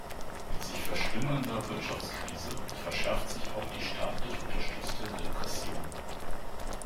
Mit sich verschlimmernder Wirtschaftskrise verschärft sich auch die staatlich unterstützte Repression.